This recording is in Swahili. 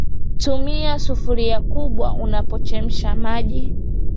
Tumia sufuria kubwa unapochemsha maji